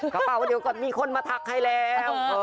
กระเป๋าวันนี้มันก็มีคนมาถักให้แล้ว